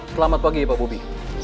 selamat pagi pak bobby